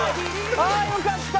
ああよかった！